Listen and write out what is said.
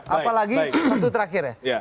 apalagi satu terakhir ya